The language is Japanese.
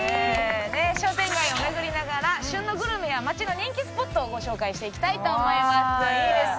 商店街を巡りながら旬のグルメや街の人気スポットをご紹介していきたいと思います。